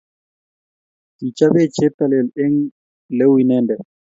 Kichopaj Cheptolel eng leuu inende.t.